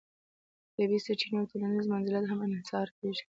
طبیعي سرچینې او ټولنیز منزلت هم انحصار کیږي.